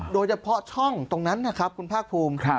โดยเฉพาะช่องตรงนั้นนะครับคุณภาคภูมิ